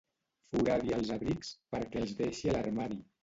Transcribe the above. Foradi els abrics perquè els deixi a l'armari.